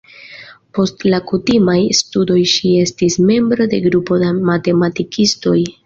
Post la kutimaj studoj ŝi estis membro de grupo da matematikistoj.